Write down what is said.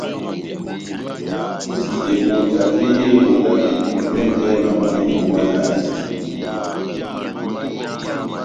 Ebota tɛ́h yé ebondabɛndi vɛngɛ mabo mámebu manahi.